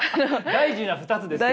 大事な２つですよね？